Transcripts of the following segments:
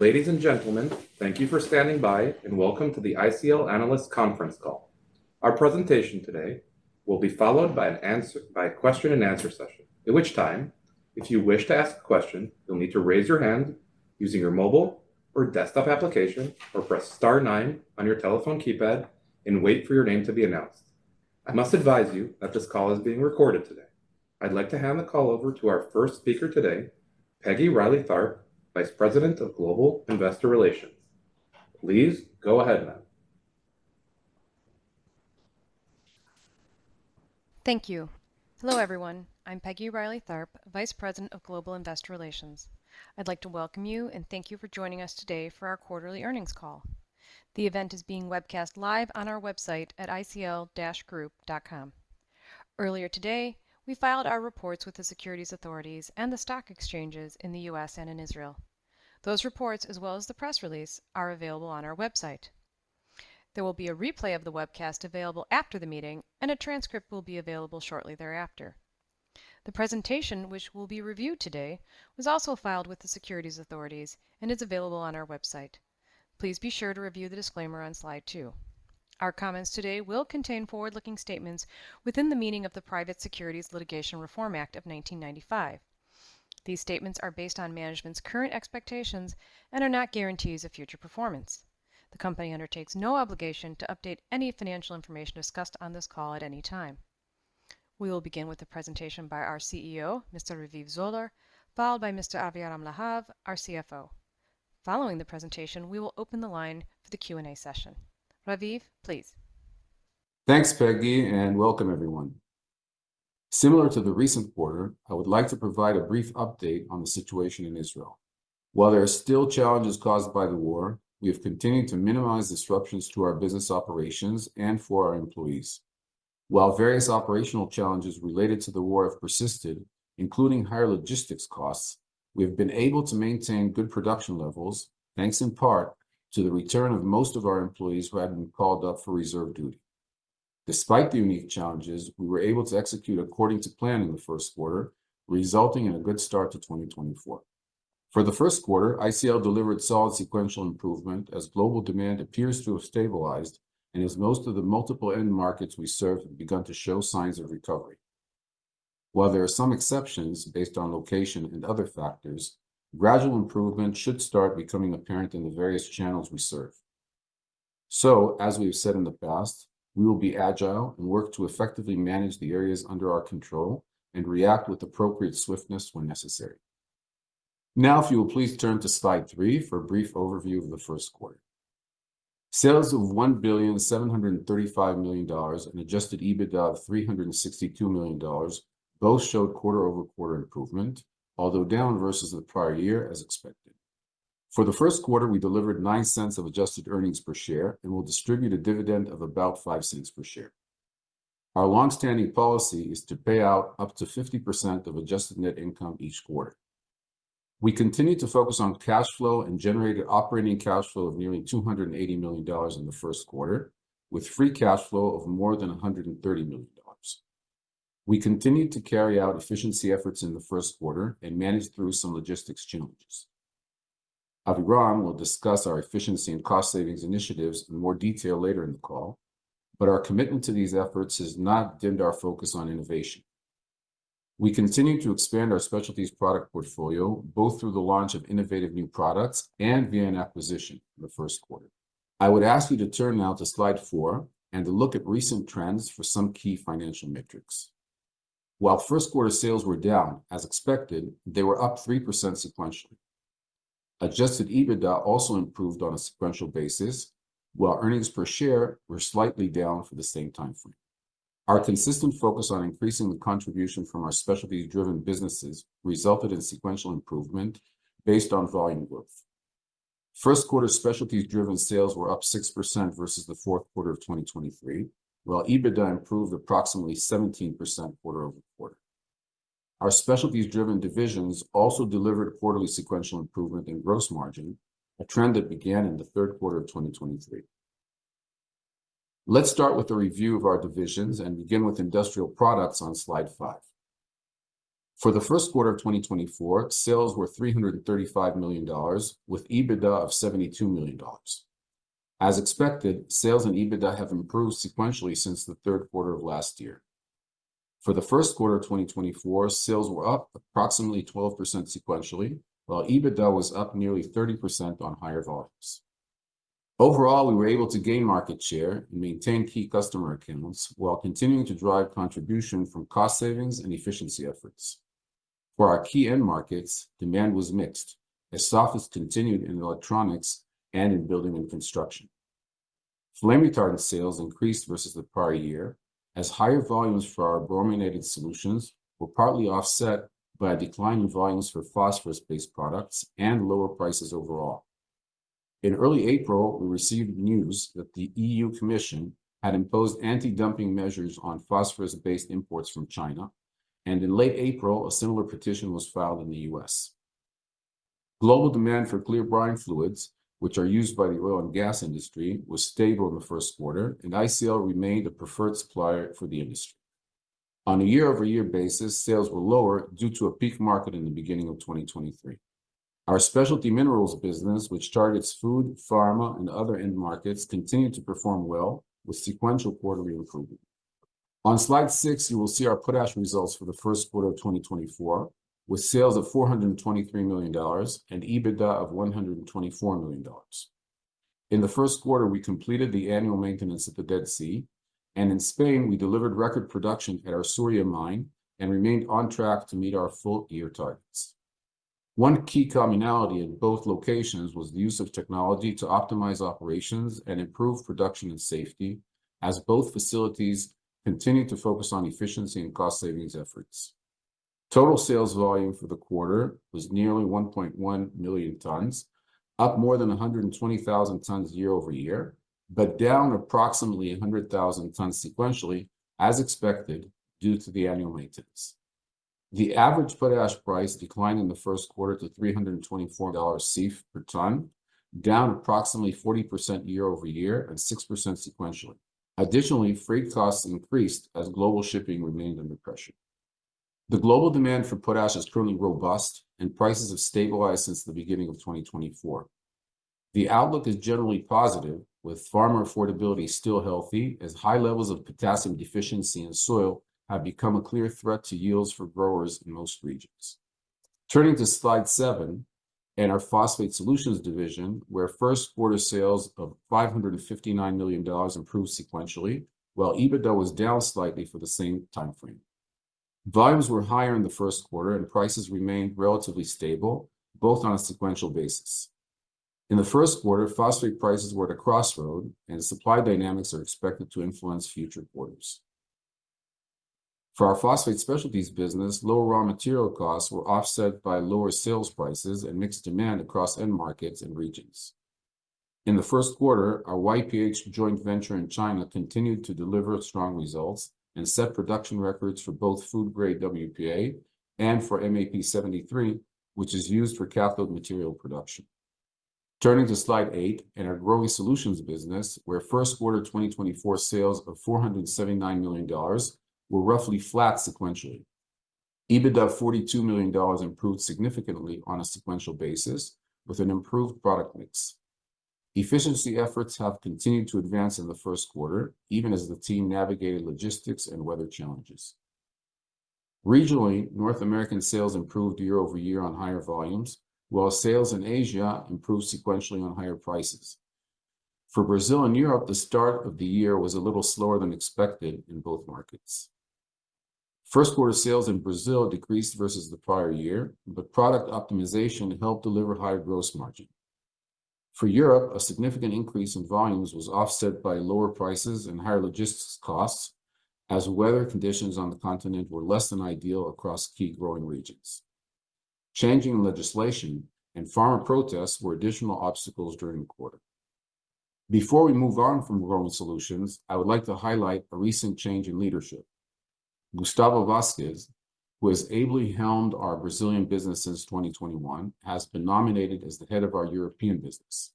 Ladies and gentlemen, thank you for standing by, and welcome to the ICL Analyst Conference Call. Our presentation today will be followed by a question and answer session, at which time, if you wish to ask a question, you'll need to raise your hand using your mobile or desktop application, or press star nine on your telephone keypad and wait for your name to be announced. I must advise you that this call is being recorded today. I'd like to hand the call over to our first speaker today, Peggy Reilly Tharp, Vice President of Global Investor Relations. Please go ahead, ma'am. Thank you. Hello, everyone. I'm Peggy Reilly Tharp, Vice President of Global Investor Relations. I'd like to welcome you, and thank you for joining us today for our quarterly earnings call. The event is being webcast live on our website at icl-group.com. Earlier today, we filed our reports with the securities authorities and the stock exchanges in the U.S. and in Israel. Those reports, as well as the press release, are available on our website. There will be a replay of the webcast available after the meeting, and a transcript will be available shortly thereafter. The presentation, which will be reviewed today, was also filed with the securities authorities and is available on our website. Please be sure to review the disclaimer on slide two. Our comments today will contain forward-looking statements within the meaning of the Private Securities Litigation Reform Act of 1995. These statements are based on management's current expectations and are not guarantees of future performance. The company undertakes no obligation to update any financial information discussed on this call at any time. We will begin with a presentation by our CEO, Mr. Raviv Zoller, followed by Mr. Aviram Lahav, our CFO. Following the presentation, we will open the line for the Q&A session. Raviv, please. Thanks, Peggy, and welcome, everyone. Similar to the recent quarter, I would like to provide a brief update on the situation in Israel. While there are still challenges caused by the war, we have continued to minimize disruptions to our business operations and for our employees. While various operational challenges related to the war have persisted, including higher logistics costs, we have been able to maintain good production levels, thanks in part to the return of most of our employees who had been called up for reserve duty. Despite the unique challenges, we were able to execute according to plan in the first quarter, resulting in a good start to 2024. For the first quarter, ICL delivered solid sequential improvement as global demand appears to have stabilized and as most of the multiple end markets we serve have begun to show signs of recovery While there are some exceptions based on location and other factors, gradual improvement should start becoming apparent in the various channels we serve. So as we have said in the past, we will be agile and work to effectively manage the areas under our control and react with appropriate swiftness when necessary. Now, if you will please turn to slide three for a brief overview of the first quarter. Sales of $1,735 million and Adjusted EBITDA of $362 million both showed quarter-over-quarter improvement, although down versus the prior year, as expected. For the first quarter, we delivered $0.09 of Adjusted earnings per share and will distribute a dividend of about $0.05 per share. Our longstanding policy is to pay out up to 50% of Adjusted net income each quarter. We continued to focus on cash flow and generated operating cash flow of nearly $280 million in the first quarter, with free cash flow of more than $130 million. We continued to carry out efficiency efforts in the first quarter and managed through some logistics challenges. Aviram will discuss our efficiency and cost savings initiatives in more detail later in the call, but our commitment to these efforts has not dimmed our focus on innovation. We continued to expand our specialties product portfolio, both through the launch of innovative new products and via an acquisition in the first quarter. I would ask you to turn now to slide four and to look at recent trends for some key financial metrics. While first quarter sales were down, as expected, they were up 3% sequentially. Adjusted EBITDA also improved on a sequential basis, while earnings per share were slightly down for the same time frame. Our consistent focus on increasing the contribution from our specialties-driven businesses resulted in sequential improvement based on volume growth. First quarter specialties-driven sales were up 6% versus the fourth quarter of 2023, while EBITDA improved approximately 17% quarter over quarter. Our specialties-driven divisions also delivered quarterly sequential improvement in gross margin, a trend that began in the third quarter of 2023. Let's start with a review of our divisions and begin with industrial products on slide five. For the first quarter of 2024, sales were $335 million, with EBITDA of $72 million. As expected, sales and EBITDA have improved sequentially since the third quarter of last year. For the first quarter of 2024, sales were up approximately 12% sequentially, while EBITDA was up nearly 30% on higher volumes. Overall, we were able to gain market share and maintain key customer accounts while continuing to drive contribution from cost savings and efficiency efforts. For our key end markets, demand was mixed, as softness continued in electronics and in building and construction. Flame retardant sales increased versus the prior year, as higher volumes for our brominated solutions were partly offset by a decline in volumes for phosphorus-based products and lower prices overall. In early April, we received news that the EU Commission had imposed anti-dumping measures on phosphorus-based imports from China, and in late April, a similar petition was filed in the U.S. Global demand for clear brine fluids, which are used by the oil and gas industry, was stable in the first quarter, and ICL remained a preferred supplier for the industry. On a year-over-year basis, sales were lower due to a peak market in the beginning of 2023. Our specialty minerals business, which targets food, pharma, and other end markets, continued to perform well, with sequential quarterly improvement. On slide six, you will see our potash results for the first quarter of 2024, with sales of $423 million and EBITDA of $124 million. In the first quarter, we completed the annual maintenance at the Dead Sea, and in Spain, we delivered record production at our Súria mine and remained on track to meet our full year targets. One key commonality in both locations was the use of technology to optimize operations and improve production and safety, as both facilities continued to focus on efficiency and cost savings efforts. Total sales volume for the quarter was nearly 1.1 million tons, up more than 120,000 tons year-over-year, but down approximately 100,000 tons sequentially, as expected, due to the annual maintenance. The average potash price declined in the first quarter to $324 CIF per ton, down approximately 40% year-over-year and 6% sequentially. Additionally, freight costs increased as global shipping remained under pressure. The global demand for potash is currently robust, and prices have stabilized since the beginning of 2024. The outlook is generally positive, with farmer affordability still healthy, as high levels of potassium deficiency in soil have become a clear threat to yields for growers in most regions. Turning to slide seven and our Phosphate Solutions division, where first quarter sales of $559 million improved sequentially, while EBITDA was down slightly for the same time frame. Volumes were higher in the first quarter, and prices remained relatively stable, both on a sequential basis. In the first quarter, phosphate prices were at a crossroad, and supply dynamics are expected to influence future quarters. For our Phosphate Specialties business, lower raw material costs were offset by lower sales prices and mixed demand across end markets and regions. In the first quarter, our YPH joint venture in China continued to deliver strong results and set production records for both food grade WPA and for MAP73, which is used for cathode material production. Turning to slide eight and our Growing Solutions business, where first quarter 2024 sales of $479 million were roughly flat sequentially. EBITDA of $42 million improved significantly on a sequential basis with an improved product mix. Efficiency efforts have continued to advance in the first quarter, even as the team navigated logistics and weather challenges. Regionally, North American sales improved year-over-year on higher volumes, while sales in Asia improved sequentially on higher prices. For Brazil and Europe, the start of the year was a little slower than expected in both markets. First quarter sales in Brazil decreased versus the prior year, but product optimization helped deliver higher gross margin. For Europe, a significant increase in volumes was offset by lower prices and higher logistics costs, as weather conditions on the continent were less than ideal across key growing regions. Changing legislation and farm protests were additional obstacles during the quarter. Before we move on from Growing Solutions, I would like to highlight a recent change in leadership. Gustavo Vasques, who has ably helmed our Brazilian business since 2021, has been nominated as the head of our European business.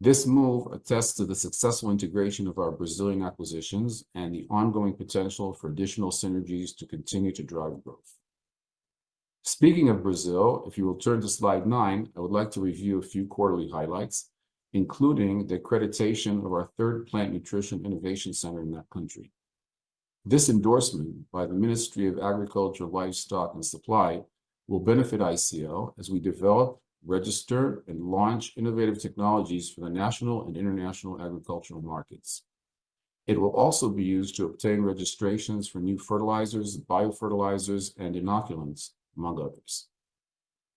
This move attests to the successful integration of our Brazilian acquisitions and the ongoing potential for additional synergies to continue to drive growth. Speaking of Brazil, if you will turn to slide nine, I would like to review a few quarterly highlights, including the accreditation of our third Plant Nutrition Innovation Center in that country. This endorsement by the Ministry of Agriculture, Livestock and Supply will benefit ICL as we develop, register, and launch innovative technologies for the national and international agricultural markets. It will also be used to obtain registrations for new fertilizers, biofertilizers, and inoculants, among others.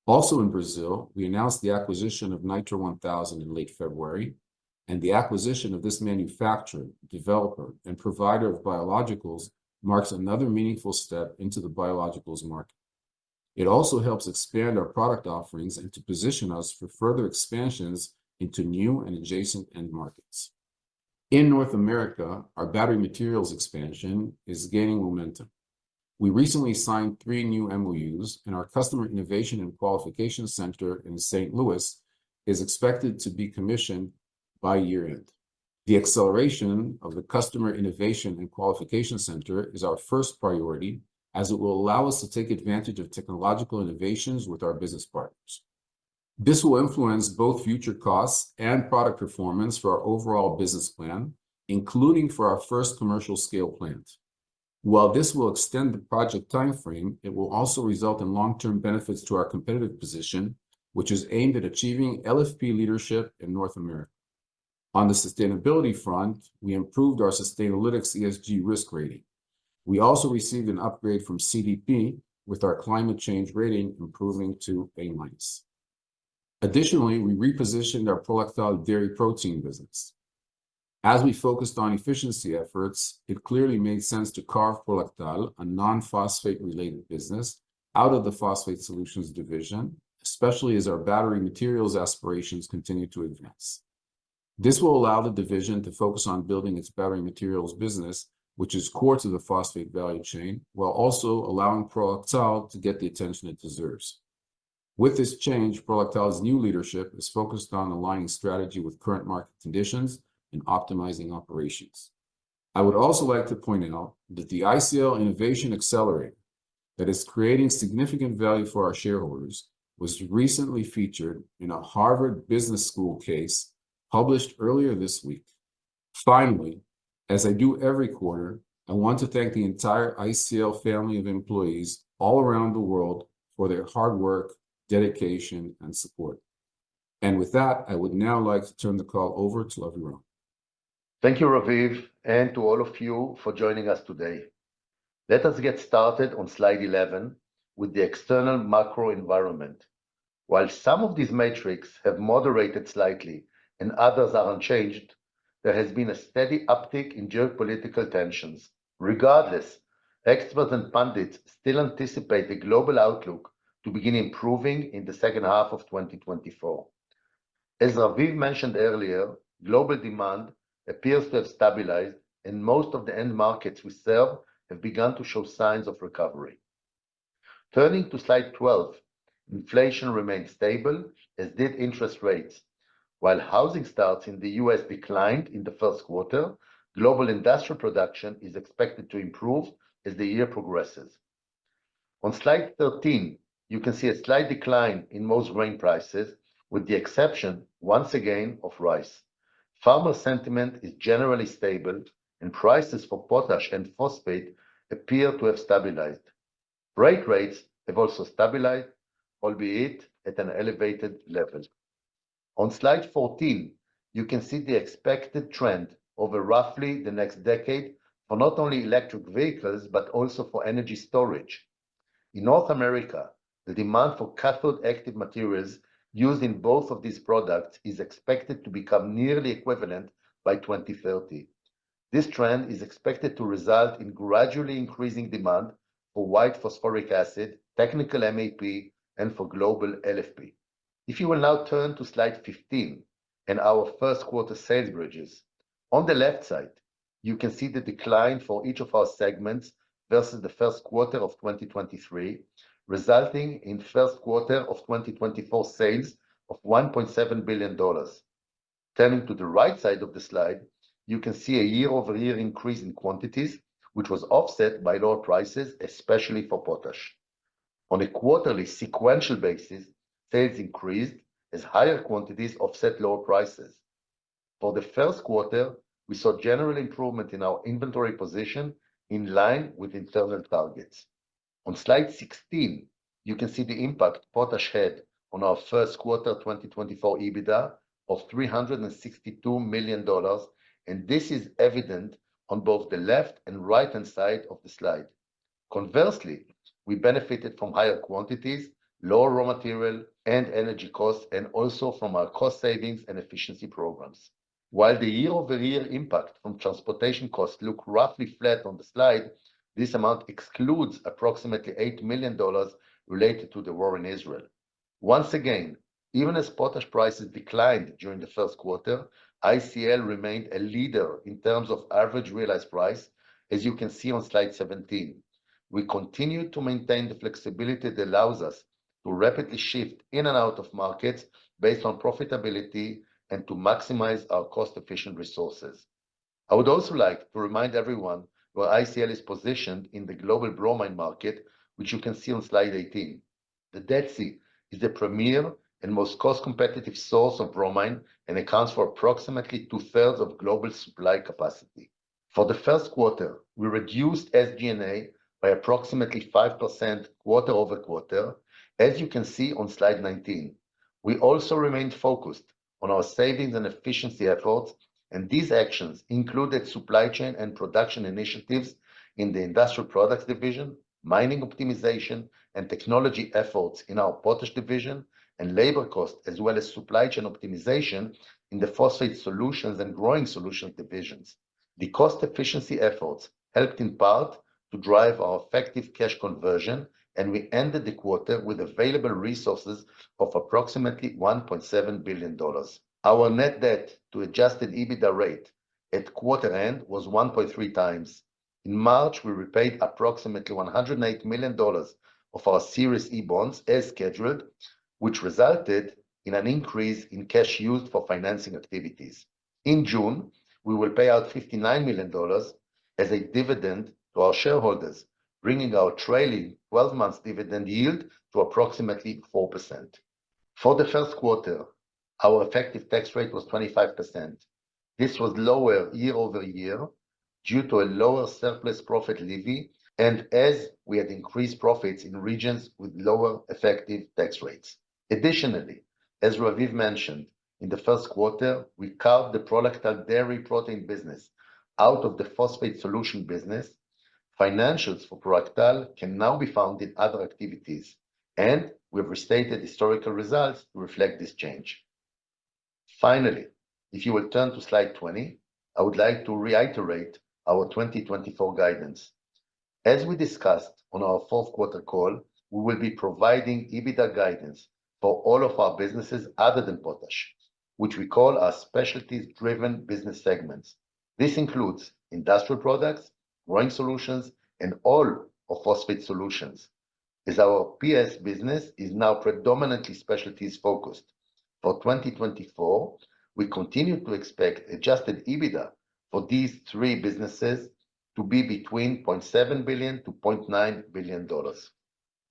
Also in Brazil, we announced the acquisition of Nitro 1000 in late February, and the acquisition of this manufacturer, developer, and provider of biologicals marks another meaningful step into the biologicals market. It also helps expand our product offerings and to position us for further expansions into new and adjacent end markets. In North America, our battery materials expansion is gaining momentum. We recently signed three new MOUs, and our Customer Innovation and Qualification Center in St. Louis is expected to be commissioned by year end. The acceleration of the Customer Innovation and Qualification Center is our first priority, as it will allow us to take advantage of technological innovations with our business partners. This will influence both future costs and product performance for our overall business plan, including for our first commercial scale plant. While this will extend the project time frame, it will also result in long-term benefits to our competitive position, which is aimed at achieving LFP leadership in North America. On the sustainability front, we improved our Sustainalytics ESG risk rating. We also received an upgrade from CDP, with our climate change rating improving to A minus. Additionally, we repositioned our Prolactal dairy protein business. As we focused on efficiency efforts, it clearly made sense to carve Prolactal, a non-phosphate related business, out of the Phosphate Solutions division, especially as our battery materials aspirations continue to advance. This will allow the division to focus on building its battery materials business, which is core to the phosphate value chain, while also allowing Prolactal to get the attention it deserves. With this change, Prolactal's new leadership is focused on aligning strategy with current market conditions and optimizing operations. I would also like to point out that the ICL Innovation Accelerator that is creating significant value for our shareholders, was recently featured in a Harvard Business School case published earlier this week. Finally, as I do every quarter, I want to thank the entire ICL family of employees all around the world for their hard work, dedication, and support. With that, I would now like to turn the call over to Aviram Lahav. Thank you, Raviv, and to all of you for joining us today. Let us get started on slide 11 with the external macro environment. While some of these metrics have moderated slightly and others are unchanged, there has been a steady uptick in geopolitical tensions. Regardless, experts and pundits still anticipate the global outlook to begin improving in the second half of 2024. As Raviv mentioned earlier, global demand appears to have stabilized, and most of the end markets we sell have begun to show signs of recovery. Turning to slide 12, inflation remains stable, as did interest rates. While housing starts in the U.S. declined in the first quarter, global industrial production is expected to improve as the year progresses. On slide 13, you can see a slight decline in most grain prices, with the exception, once again, of rice. Farmer sentiment is generally stable, and prices for potash and phosphate appear to have stabilized. Freight rates have also stabilized, albeit at an elevated level. On slide 14, you can see the expected trend over roughly the next decade for not only electric vehicles, but also for energy storage. In North America, the demand for cathode active materials used in both of these products is expected to become nearly equivalent by 2030. This trend is expected to result in gradually increasing demand for white phosphoric acid, technical MAP, and for global LFP. If you will now turn to slide 15, and our first quarter sales bridges. On the left side, you can see the decline for each of our segments versus the first quarter of 2023, resulting in first quarter of 2024 sales of $1.7 billion. Turning to the right side of the slide, you can see a year-over-year increase in quantities, which was offset by lower prices, especially for potash. On a quarterly sequential basis, sales increased as higher quantities offset lower prices. For the first quarter, we saw general improvement in our inventory position in line with internal targets. On slide 16, you can see the impact potash had on our first quarter 2024 EBITDA of $362 million, and this is evident on both the left and right-hand side of the slide. Conversely, we benefited from higher quantities, lower raw material and energy costs, and also from our cost savings and efficiency programs. While the year-over-year impact on transportation costs look roughly flat on the slide, this amount excludes approximately $8 million related to the war in Israel. Once again, even as potash prices declined during the first quarter, ICL remained a leader in terms of average realized price, as you can see on slide 17. We continue to maintain the flexibility that allows us to rapidly shift in and out of markets based on profitability and to maximize our cost-efficient resources. I would also like to remind everyone where ICL is positioned in the global bromine market, which you can see on slide 18. The Dead Sea is the premier and most cost-competitive source of bromine, and accounts for approximately two-thirds of global supply capacity. For the first quarter, we reduced SG&A by approximately 5% quarter-over-quarter, as you can see on slide 19. We also remained focused on our savings and efficiency efforts, and these actions included supply chain and production initiatives in the industrial products division, mining optimization and technology efforts in our potash division, and labor costs, as well as supply chain optimization in the phosphate solutions and growing solutions divisions. The cost efficiency efforts helped in part to drive our effective cash conversion, and we ended the quarter with available resources of approximately $1.7 billion. Our net debt to Adjusted EBITDA rate at quarter end was 1.3x. In March, we repaid approximately $108 million of our Series E bonds as scheduled, which resulted in an increase in cash used for financing activities. In June, we will pay out $59 million as a dividend to our shareholders, bringing our trailing twelve-months dividend yield to approximately 4%. For the first quarter, our effective tax rate was 25%. This was lower year-over-year due to a lower surplus profit levy, and as we had increased profits in regions with lower effective tax rates. Additionally, as Raviv mentioned, in the first quarter, we carved the Prolactal dairy protein business out of the phosphate solution business. Financials for Prolactal can now be found in other activities, and we have restated historical results to reflect this change. Finally, if you will turn to slide 20, I would like to reiterate our 2024 guidance. As we discussed on our fourth quarter call, we will be providing EBITDA guidance for all of our businesses other than potash. Which we call our specialties-driven business segments. This includes Industrial Products, Growing Solutions, and all of Phosphate Solutions. As our PS business is now predominantly specialties focused. For 2024, we continue to expect Adjusted EBITDA for these three businesses to be between $0.7 billion-$0.9 billion.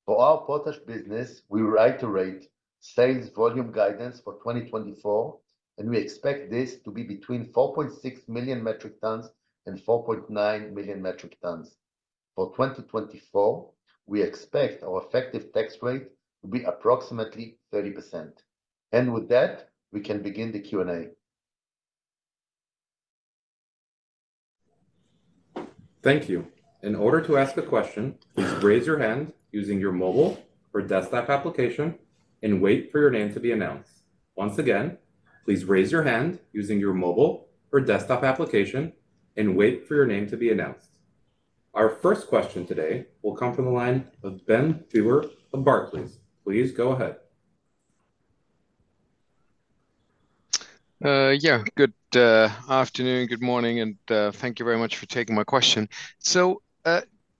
For our Potash business, we reiterate sales volume guidance for 2024, and we expect this to be between 4.6 million metric tons and 4.9 million metric tons. For 2024, we expect our effective tax rate to be approximately 30%. And with that, we can begin the Q&A. Thank you. In order to ask a question, please raise your hand using your mobile or desktop application and wait for your name to be announced. Once again, please raise your hand using your mobile or desktop application and wait for your name to be announced. Our first question today will come from the line of Ben Theurer of Barclays. Please go ahead. Yeah, good afternoon, good morning, and thank you very much for taking my question. So,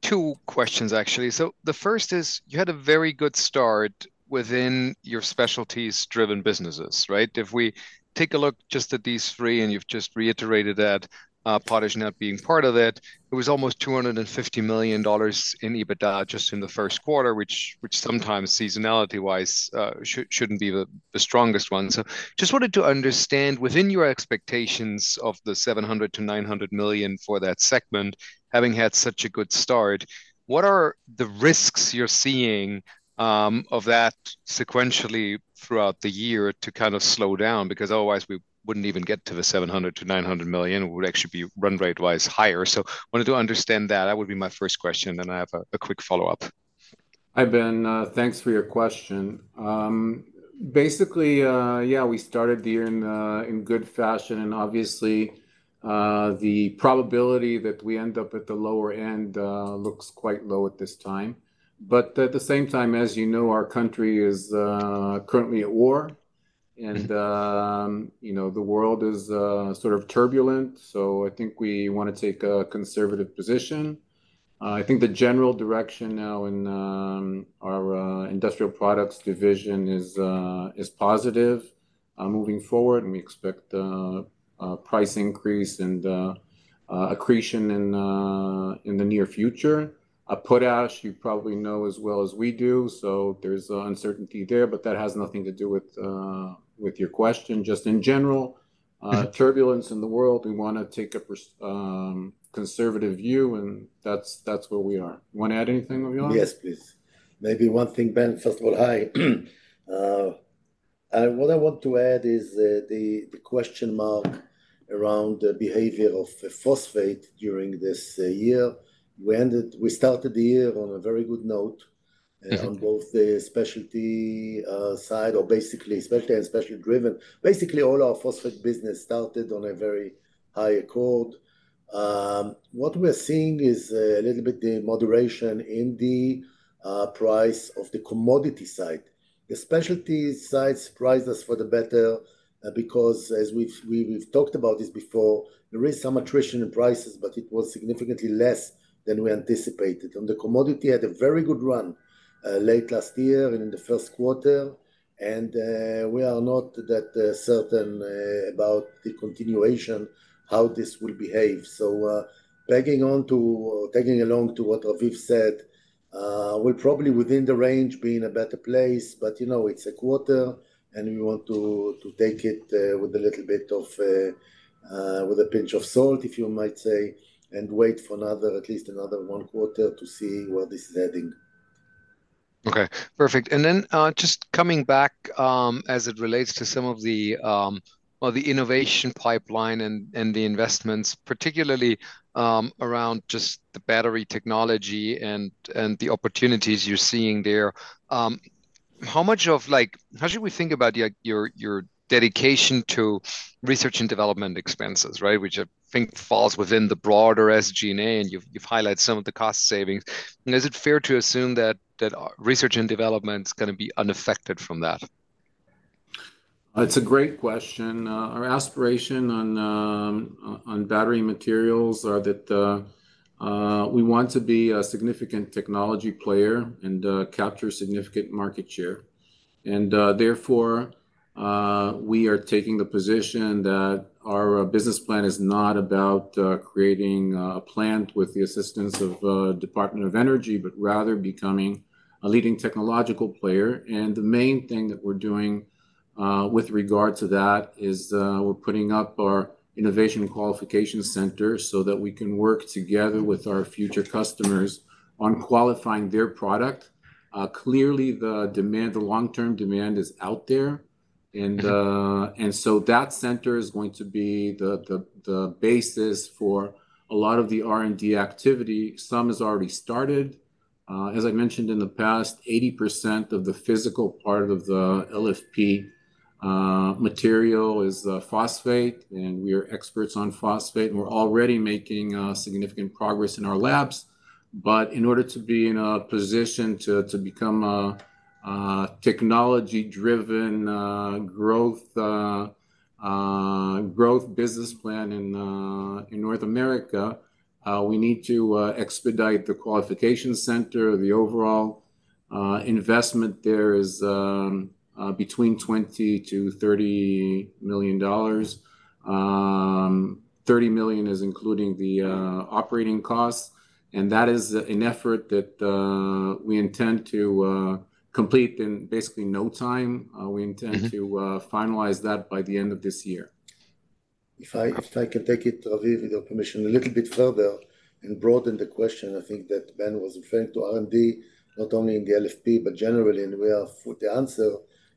two questions, actually. So the first is, you had a very good start within your specialties-driven businesses, right? If we take a look just at these three, and you've just reiterated that, potash not being part of it, it was almost $250 million in EBITDA just in the first quarter, which sometimes seasonality-wise, shouldn't be the strongest one. So just wanted to understand, within your expectations of the $700 million-$900 million for that segment, having had such a good start, what are the risks you're seeing of that sequentially throughout the year to kind of slow down? Because otherwise we wouldn't even get to the $700 million-$900 million, it would actually be run rate-wise higher. So wanted to understand that. That would be my first question, then I have a quick follow-up. Hi, Ben. Thanks for your question. Basically, yeah, we started the year in good fashion, and obviously, the probability that we end up at the lower end looks quite low at this time. But at the same time, as you know, our country is currently at war, and you know, the world is sort of turbulent, so I think we want to take a conservative position. I think the general direction now in our industrial products division is positive moving forward, and we expect a price increase and accretion in the near future. Potash, you probably know as well as we do, so there's uncertainty there, but that has nothing to do with your question. Just in general, turbulence in the world, we want to take a conservative view, and that's, that's where we are. You want to add anything, Aviram? Yes, please. Maybe one thing, Ben. First of all, hi. What I want to add is the question mark around the behavior of phosphate during this year. We started the year on a very good note on both the specialty side, or basically specialty and specialty driven. Basically, all our phosphate business started on a very high accord. What we're seeing is a little bit the moderation in the price of the commodity side. The specialty side surprised us for the better, because as we've talked about this before, there is some attrition in prices, but it was significantly less than we anticipated. The commodity had a very good run late last year and in the first quarter, and we are not that certain about the continuation, how this will behave. So, tagging along to what Aviv said, we're probably within the range, be in a better place, but, you know, it's a quarter, and we want to take it with a little bit of, with a pinch of salt, if you might say, and wait for another, at least another one quarter to see where this is heading. Okay, perfect. And then, just coming back, as it relates to some of the, well, the innovation pipeline and the investments, particularly, around just the battery technology and the opportunities you're seeing there, how much of like... How should we think about your dedication to research and development expenses, right? Which I think falls within the broader SG&A, and you've highlighted some of the cost savings. And is it fair to assume that research and development is gonna be unaffected from that? It's a great question. Our aspiration on, on battery materials are that, we want to be a significant technology player and, capture significant market share. And, therefore, we are taking the position that our business plan is not about, creating, a plant with the assistance of, Department of Energy, but rather becoming a leading technological player. And the main thing that we're doing, with regard to that is, we're putting up our innovation qualification center so that we can work together with our future customers on qualifying their product. Clearly, the demand, the long-term demand is out there, and, and so that center is going to be the, the, the basis for a lot of the R&D activity. Some has already started. As I mentioned in the past, 80% of the physical part of the LFP material is phosphate, and we are experts on phosphate, and we're already making significant progress in our labs. But in order to be in a position to become a technology-driven growth business plan in North America. We need to expedite the qualification center. The overall investment there is between $20 million-$30 million. $30 million is including the operating costs, and that is an effort that we intend to complete in basically no time. We intend to finalize that by the end of this year. If I can take it, Aviv, with your permission, a little bit further and broaden the question, I think that Ben was referring to R&D, not only in the LFP, but generally, and we are... The answer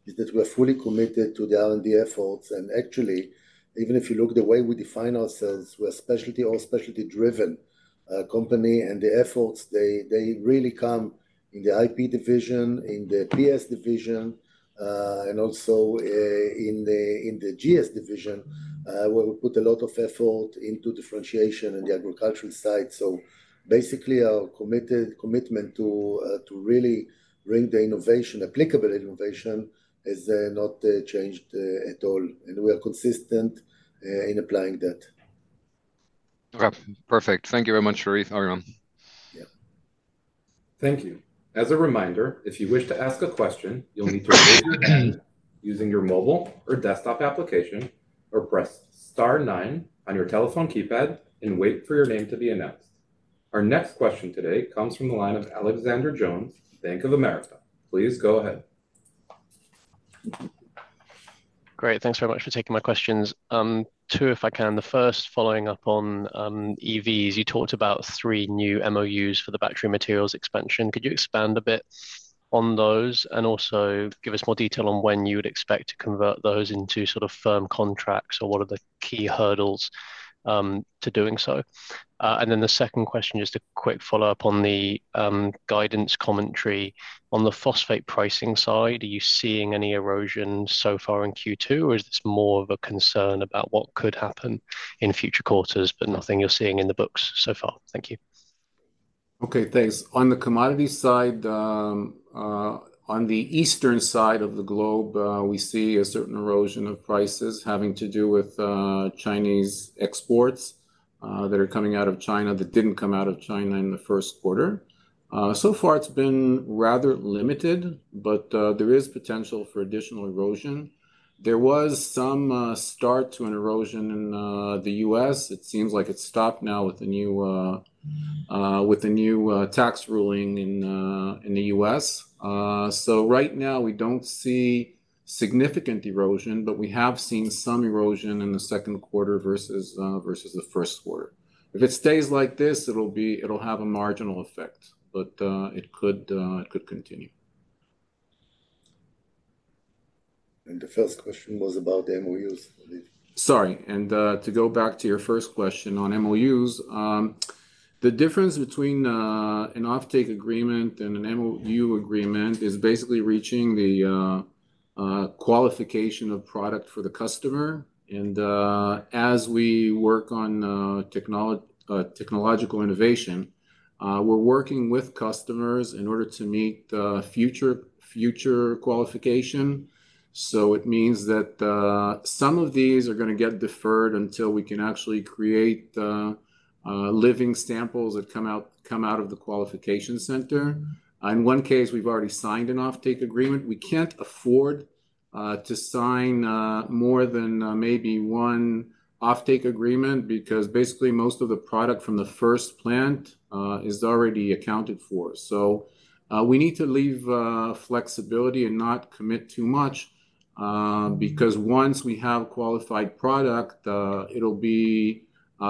is that we're fully committed to the R&D efforts. And actually, even if you look the way we define ourselves, we're a specialty or specialty-driven company, and the efforts, they really come in the IP division, in the PS division, and also in the GS division, where we put a lot of effort into differentiation in the agricultural side. So basically, our committed commitment to really bring the innovation, applicable innovation, is not changed at all, and we're consistent in applying that. Okay, perfect. Thank you very much, Aviram. Yeah. Thank you. As a reminder, if you wish to ask a question, you'll need to raise your hand using your mobile or desktop application, or press star nine on your telephone keypad and wait for your name to be announced. Our next question today comes from the line of Alexander Jones, Bank of America. Please go ahead. Great. Thanks very much for taking my questions. Two, if I can, the first following up on EVs. You talked about three new MOUs for the battery materials expansion. Could you expand a bit on those, and also give us more detail on when you would expect to convert those into sort of firm contracts, or what are the key hurdles to doing so? And then the second question, just a quick follow-up on the guidance commentary. On the phosphate pricing side, are you seeing any erosion so far in Q2, or is this more of a concern about what could happen in future quarters, but nothing you're seeing in the books so far? Thank you. Okay, thanks. On the commodity side, on the eastern side of the globe, we see a certain erosion of prices having to do with Chinese exports that are coming out of China that didn't come out of China in the first quarter. So far it's been rather limited, but there is potential for additional erosion. There was some start to an erosion in the U.S. It seems like it's stopped now with the new tax ruling in the U.S. So right now we don't see significant erosion, but we have seen some erosion in the second quarter versus the first quarter. If it stays like this, it'll have a marginal effect, but it could continue. The first question was about the MOUs, Raviv. Sorry, and to go back to your first question on MOUs, the difference between an offtake agreement and an MOU agreement is basically reaching the qualification of product for the customer. And as we work on technological innovation, we're working with customers in order to meet future qualification. So it means that some of these are gonna get deferred until we can actually create living samples that come out of the qualification center. In one case, we've already signed an offtake agreement. We can't afford to sign more than maybe one offtake agreement, because basically most of the product from the first plant is already accounted for. So, we need to leave flexibility and not commit too much, because once we have qualified product, it'll be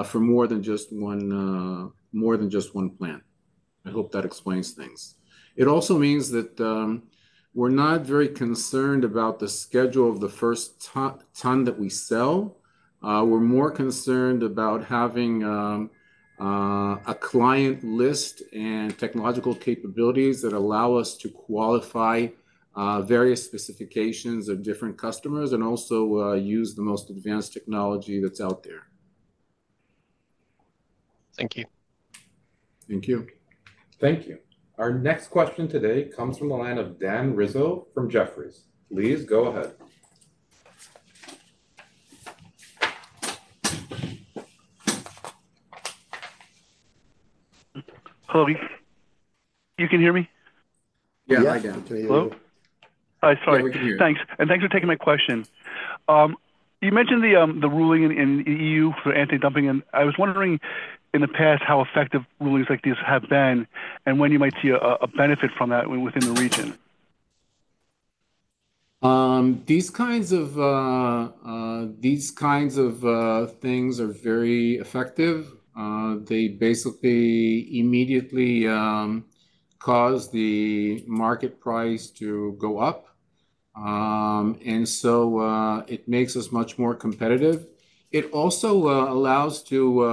for more than just one plant. I hope that explains things. It also means that, we're not very concerned about the schedule of the first ton that we sell. We're more concerned about having a client list and technological capabilities that allow us to qualify various specifications of different customers and also use the most advanced technology that's out there. Thank you. Thank you. Thank you. Our next question today comes from the line of Dan Rizzo from Jefferies. Please go ahead. Hello, Raviv. You can hear me? Yeah, I can. Yes. Hello? Hi, sorry. We can hear you. Thanks, and thanks for taking my question. You mentioned the ruling in the EU for anti-dumping, and I was wondering in the past, how effective rulings like these have been, and when you might see a benefit from that within the region? These kinds of things are very effective. They basically immediately cause the market price to go up. And so, it makes us much more competitive. It also allows to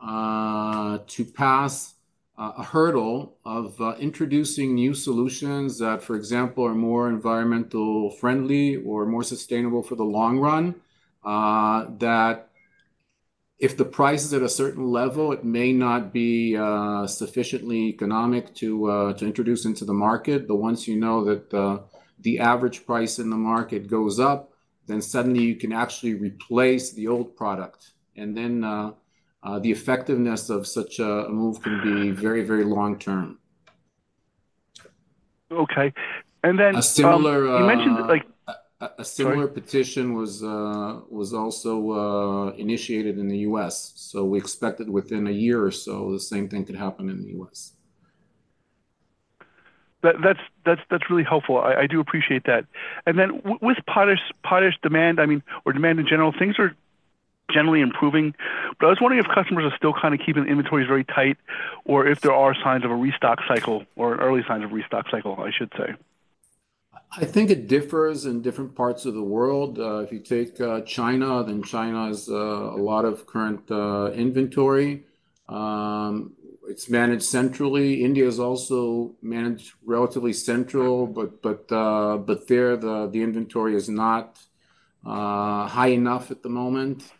pass a hurdle of introducing new solutions that, for example, are more environmental friendly or more sustainable for the long run, that if the price is at a certain level, it may not be sufficiently economic to introduce into the market. But once you know that the average price in the market goes up, then suddenly you can actually replace the old product, and then the effectiveness of such a move can be very, very long-term. Okay. And then. A similar. You mentioned that like. A similar. Sorry Petition was, was also, initiated in the U.S., so we expect that within a year or so, the same thing could happen in the U.S. That's really helpful. I do appreciate that. And then with potash demand, I mean, or demand in general, things are generally improving, but I was wondering if customers are still kind of keeping inventories very tight, or if there are signs of a restock cycle or early signs of restock cycle, I should say? I think it differs in different parts of the world. If you take China, then China has a lot of current inventory. It's managed centrally. India is also managed relatively centrally, but there the inventory is not high enough at the moment.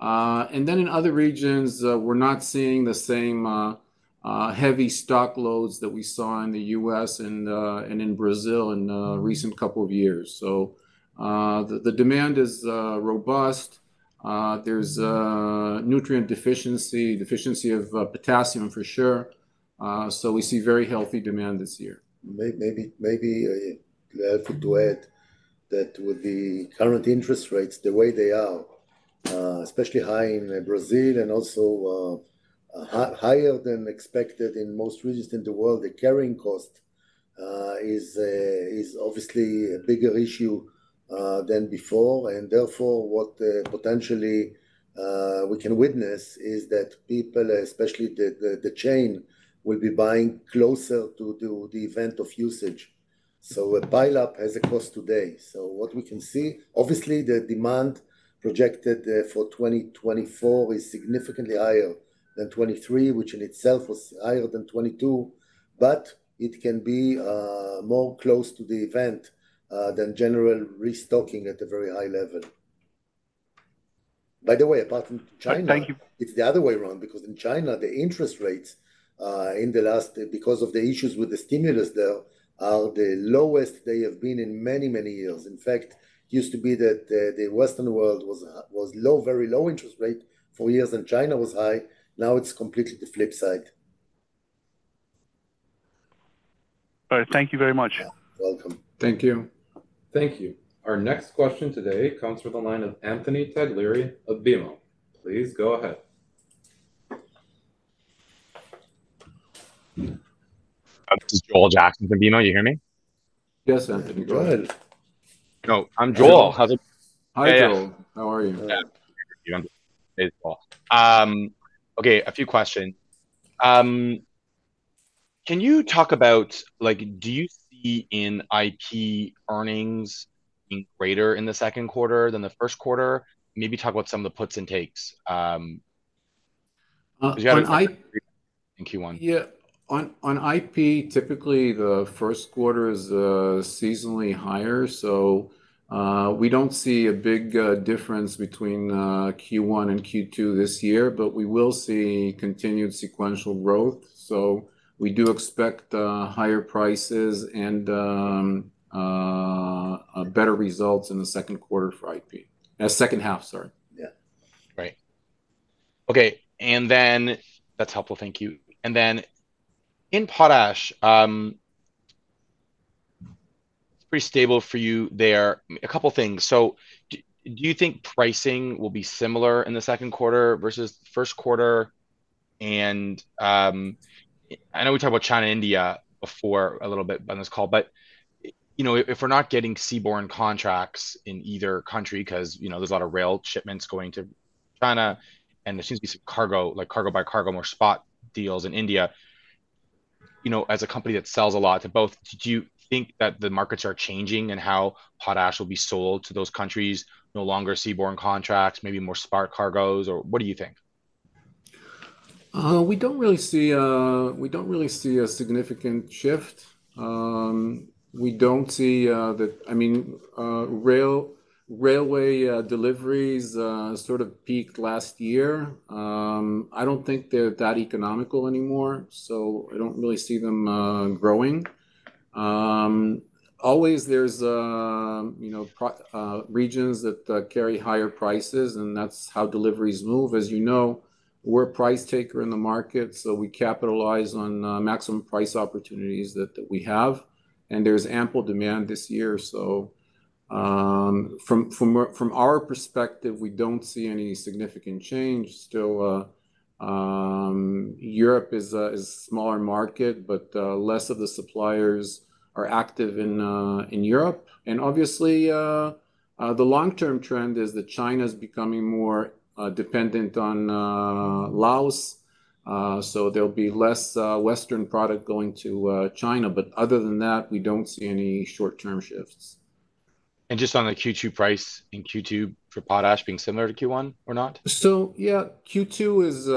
And then in other regions, we're not seeing the same heavy stock loads that we saw in the US and in Brazil in recent couple of years. So, the demand is robust. There's nutrient deficiency of potassium for sure. So we see very healthy demand this year. Maybe, to add to that, with the current interest rates, the way they are, especially high in Brazil and also, higher than expected in most regions in the world, the carrying cost is obviously a bigger issue than before. And therefore, what potentially we can witness is that people, especially the chain, will be buying closer to the event of usage. So a pileup has a cost today. So what we can see, obviously, the demand projected for 2024 is significantly higher than 2023, which in itself was higher than 2022, but it can be more close to the event than general restocking at a very high level. By the way, apart from China- Thank you It's the other way around, because in China, the interest rates, in the last, because of the issues with the stimulus there, are the lowest they have been in many, many years. In fact, it used to be that the Western world was low, very low interest rate for years, and China was high. Now, it's completely the flip side. All right. Thank you very much. Welcome. Thank you. Thank you. Our next question today comes from the line of Anthony Taglieri of BMO. Please go ahead. This is Joel Jackson from BMO. You hear me? Yes, Anthony, go ahead. No, I'm Joel. Hi, Joel. How are you? Yeah. Hey, it's Paul. Okay, a few questions. Can you talk about, like, do you see IP earnings being greater in the second quarter than the first quarter? Maybe talk about some of the puts and takes in Q1. Yeah. On IP, typically, the first quarter is seasonally higher, so we don't see a big difference between Q1 and Q2 this year, but we will see continued sequential growth. So we do expect higher prices and better results in the second quarter for IP. Second half, sorry. Yeah. Right. Okay, and then... That's helpful, thank you. And then, in potash, it's pretty stable for you there. A couple of things. So do you think pricing will be similar in the second quarter versus first quarter? And, I know we talked about China, India before a little bit on this call, but, you know, if we're not getting seaborne contracts in either country, 'cause, you know, there's a lot of rail shipments going to China, and there seems to be cargo, like cargo by cargo, more spot deals in India. You know, as a company that sells a lot to both, do you think that the markets are changing, and how potash will be sold to those countries? No longer seaborne contracts, maybe more spot cargos, or what do you think? We don't really see a significant shift. We don't see that- I mean, railway deliveries sort of peaked last year. I don't think they're that economical anymore, so I don't really see them growing. Always there's you know, regions that carry higher prices, and that's how deliveries move. As you know, we're a price taker in the market, so we capitalize on maximum price opportunities that we have, and there's ample demand this year. So, from our perspective, we don't see any significant change. Still, Europe is a smaller market, but less of the suppliers are active in Europe. And obviously, the long-term trend is that China's becoming more dependent on Laos. So there'll be less Western product going to China. But other than that, we don't see any short-term shifts. Just on the Q2 price, in Q2 for potash being similar to Q1 or not? So yeah, Q2 is,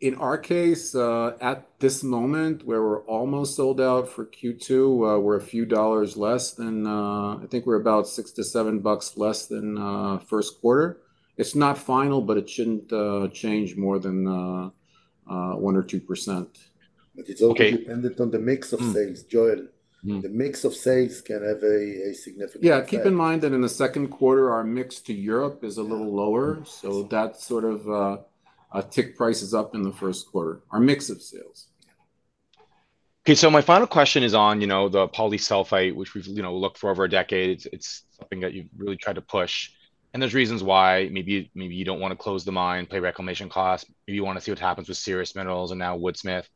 in our case, at this moment, where we're almost sold out for Q2, we're a few dollars less than, I think we're about $6-$7 less than first quarter. It's not final, but it shouldn't change more than 1% or 2%. But it's also dependent on the mix of sales, Joel. The mix of sales can have a significant effect. Yeah, keep in mind that in the second quarter, our mix to Europe is a little lower, so that sort of tick prices up in the first quarter, our mix of sales. Okay, so my final question is on, you know, the Polysulphate, which we've, you know, looked for over a decade. It's, it's something that you've really tried to push, and there's reasons why maybe, maybe you don't want to close the mine, pay reclamation costs, maybe you want to see what happens with Sirius Minerals and now Woodsmith.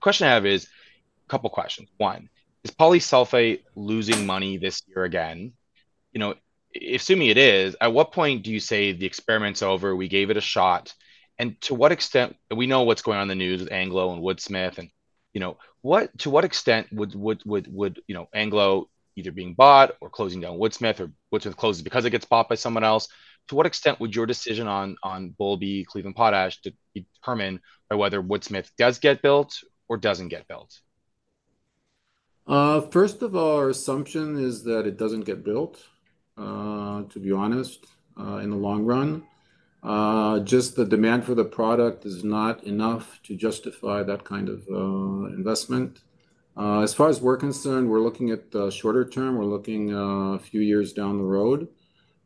Question I have is... A couple questions. One, is Polysulphate losing money this year again? You know, assuming it is, at what point do you say, "The experiment's over, we gave it a shot"? And to what extent... We know what's going on in the news with Anglo and Woodsmith and, you know. To what extent would, you know, Anglo either being bought or closing down Woodsmith or Woodsmith closes because it gets bought by someone else, to what extent would your decision on, on Boulby, Cleveland Potash, be determined by whether Woodsmith does get built or doesn't get built? First of all, our assumption is that it doesn't get built, to be honest, in the long run. Just the demand for the product is not enough to justify that kind of investment. As far as we're concerned, we're looking at the shorter term, we're looking a few years down the road.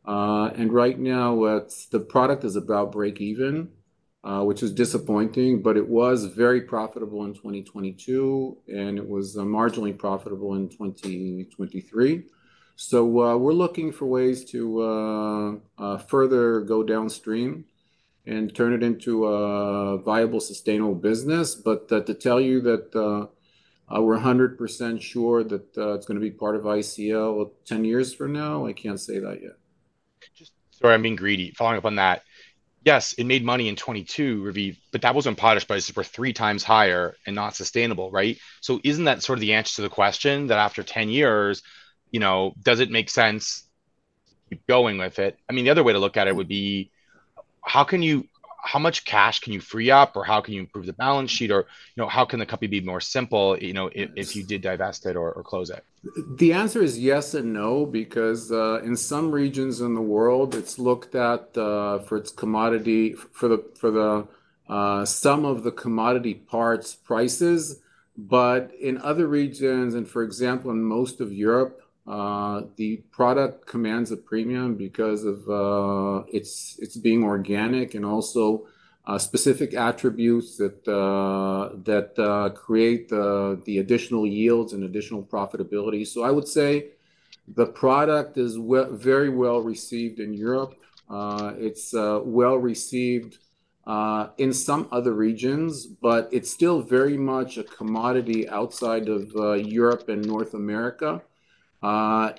And right now, what's the product is about break even, which is disappointing, but it was very profitable in 2022, and it was marginally profitable in 2023. So, we're looking for ways to further go downstream and turn it into a viable, sustainable business. But, to tell you that, we're 100% sure that it's gonna be part of ICL 10 years from now, I can't say that yet. Just... Sorry, I'm being greedy. Following up on that, yes, it made money in 2022, Raviv, but that was when potash prices were three times higher and not sustainable, right? So isn't that sort of the answer to the question, that after 10 years, you know, does it make sense going with it? I mean, the other way to look at it would be, how can you-- how much cash can you free up or how can you improve the balance sheet or, you know, how can the company be more simple, you know, if, if you did divest it or, or close it? The answer is yes and no, because in some regions in the world, it's looked at for its commodity, for the sum of the commodity parts prices. But in other regions, and for example, in most of Europe, the product commands a premium because of it's being organic and also specific attributes that create the additional yields and additional profitability. So I would say the product is well, very well received in Europe. It's well received in some other regions, but it's still very much a commodity outside of Europe and North America.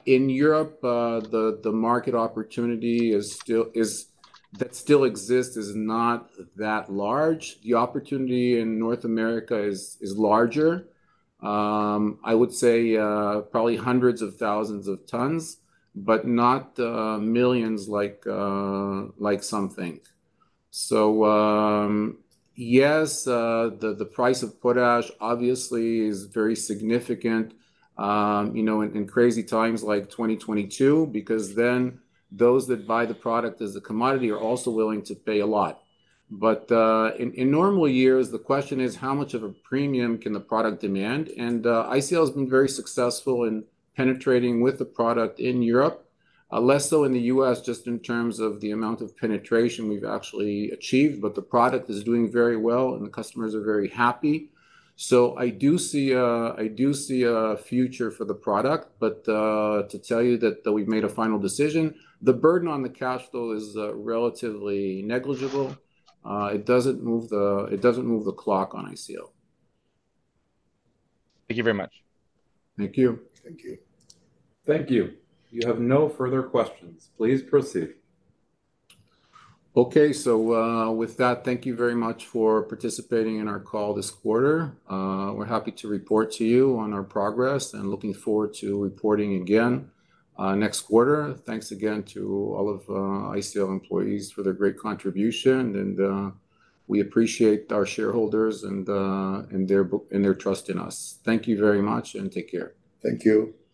In Europe, the market opportunity that still exists is not that large. The opportunity in North America is larger. I would say, probably hundreds of thousands of tons, but not millions like some think. So, yes, the price of potash obviously is very significant, you know, in crazy times like 2022, because then those that buy the product as a commodity are also willing to pay a lot. But, in normal years, the question is: How much of a premium can the product demand? And, ICL has been very successful in penetrating with the product in Europe, less so in the U.S., just in terms of the amount of penetration we've actually achieved, but the product is doing very well and the customers are very happy. So I do see a, I do see a future for the product, but, to tell you that, that we've made a final decision, the burden on the cash flow is, relatively negligible. It doesn't move the, it doesn't move the clock on ICL. Thank you very much. Thank you. Thank you. Thank you. You have no further questions. Please proceed. Okay, so, with that, thank you very much for participating in our call this quarter. We're happy to report to you on our progress and looking forward to reporting again, next quarter. Thanks again to all of ICL employees for their great contribution and we appreciate our shareholders and their trust in us. Thank you very much, and take care. Thank you.